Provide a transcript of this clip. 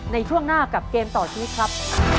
ในช่วงหน้ากับเกมต่อชีวิตครับ